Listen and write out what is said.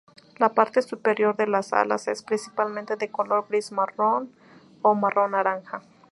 La parte superior de las alas es principalmente de color gris-marrón o marrón-naranja.